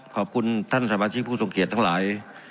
ขอบคุณท่านสมาชิกผู้ทรงเกียจทั้งหลาย